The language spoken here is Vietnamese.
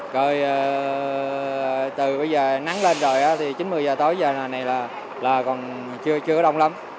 rồi từ bây giờ nắng lên rồi thì chín một mươi giờ tối giờ này là còn chưa đông lắm